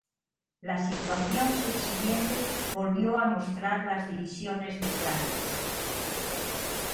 La situación subsiguiente volvió a mostrar las divisiones de Flandes.